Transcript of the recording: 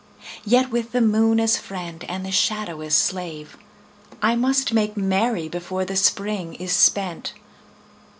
Yet with the moon as friend and the shadow as slave I must make merry before the Spring is spent.